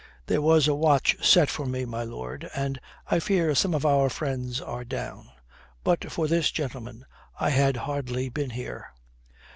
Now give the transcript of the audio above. "There was a watch set for me, my lord, and I fear some of our friends are down. But for this gentleman I had hardly been here."